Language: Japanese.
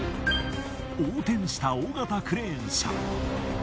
横転した大型クレーン車。